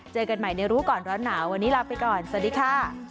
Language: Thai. เจอกันใหม่ในรู้ก่อนร้อนหนาววันนี้ลาไปก่อนสวัสดีค่ะ